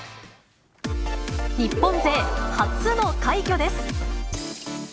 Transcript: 日本勢、初の快挙です。